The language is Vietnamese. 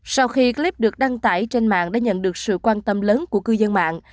sau khi clip được đăng tải trên mạng đã nhận được sự quan tâm lớn của cư dân mạng